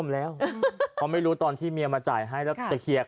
แล้วคุณคุณอ่ะมีมากระตามาเนี่ย